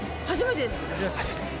初めてです。